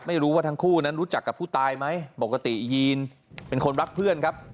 ไม่รู้ว่าทั้งคู่นั้นรู้จักกับผู้ตายไหมปกติยีนเป็นคนรักเพื่อนครับ